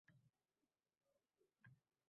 Tortinmay aytavering, qanchaligining ahamiyati yoʻq